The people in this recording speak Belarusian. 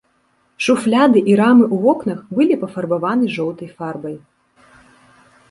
Шуфляды і рамы ў вокнах былі пафарбаваны жоўтай фарбай.